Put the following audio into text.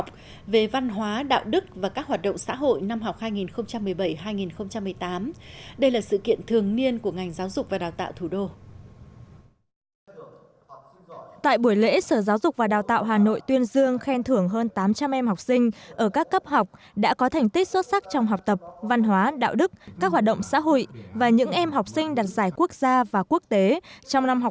tại buổi lễ sở giáo dục và đào tạo hà nội tuyên dương khen thưởng hơn tám trăm linh em học sinh ở các cấp học đã có thành tích xuất sắc trong học tập văn hóa đạo đức các hoạt động xã hội và những em học sinh đạt giải quốc gia và quốc tế trong năm học hai nghìn một mươi bảy hai nghìn một mươi tám